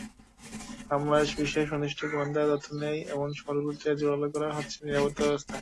হামলার বিষয়ে সুনির্দিষ্ট গোয়েন্দা তথ্য নেই এমন শহরগুলোতেও জোরালো করা হচ্ছে নিরাপত্তাব্যবস্থা।